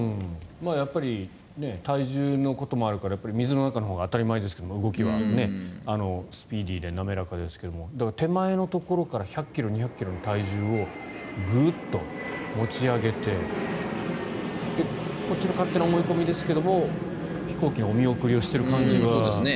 やっぱり体重のこともあるから水の中のほうが当たり前ですが動きはスピーディーで滑らかですが手前のところから１００ｋｇ、２００ｋｇの体重をグッと持ち上げてこっちの勝手な思い込みですけど飛行機のお見送りをしている感じが。